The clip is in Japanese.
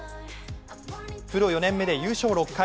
プロ４年目で優勝６回。